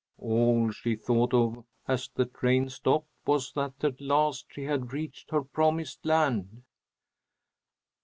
All she thought of as the train stopped was that at last she had reached her promised land.